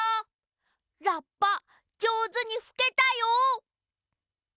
ラッパじょうずにふけたよ！